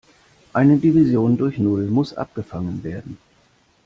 Eine Division durch null muss abgefangen werden.